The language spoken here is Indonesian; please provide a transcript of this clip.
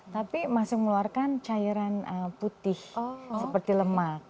tapi masih meluarkan cairan putih seperti lemak